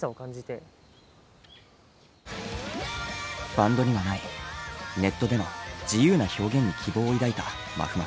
バンドにはないネットでの自由な表現に希望を抱いたまふまふ。